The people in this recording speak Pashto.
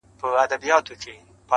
ځوان له ډيري ژړا وروسته څخه ريږدي”